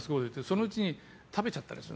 そのうちに食べちゃったりする